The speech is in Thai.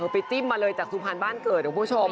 จิ้มมาเลยจากสุพรรณบ้านเกิดนะคุณผู้ชม